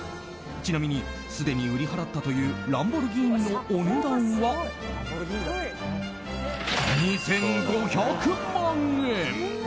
ちなみにすでに売り払ったというランボルギーニのお値段は２５００万円。